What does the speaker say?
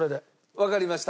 わかりました。